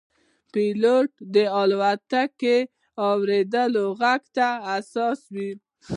پیلوټ د الوتکې د اورېدو غږ ته حساس وي.